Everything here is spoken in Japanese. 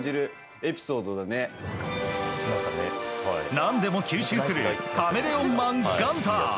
何でも吸収するカメレオンマン、ガンター。